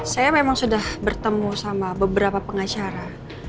saya memang sudah bertemu sama beberapa pengacara